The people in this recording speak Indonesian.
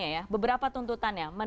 ini beberapa tuntutannya